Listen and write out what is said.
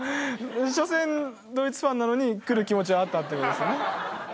初戦ドイツファンなのに来る気持ちはあったって事ですね。